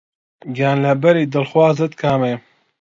گیانلەبەری دڵخوازت کامەیە؟